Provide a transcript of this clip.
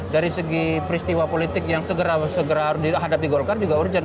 dari segi peristiwa politik yang segera dihadapi golkar juga urgent